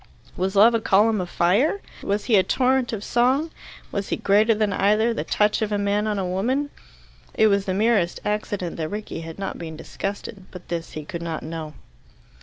Was Love a column of fire? Was he a torrent of song? Was he greater than either the touch of a man on a woman? It was the merest accident that Rickie had not been disgusted. But this he could not know.